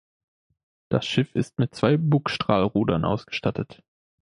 Das Schiff ist mit zwei Bugstrahlrudern ausgestattet.